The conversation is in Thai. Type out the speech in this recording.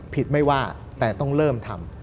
ไม่ว่าแต่ต้องเริ่มทำ